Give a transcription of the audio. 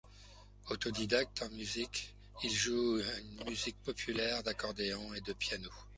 Autodidacte en musique, il joue une musique populaire, d'accordéon et de piano.